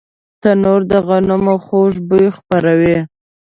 تنور د غنمو خوږ بوی خپروي